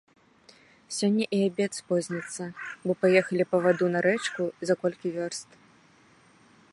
Сёння і абед спозніцца, бо паехалі па ваду на рэчку, за колькі вёрст.